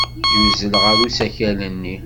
Yuzzel ɣer usakal-nni.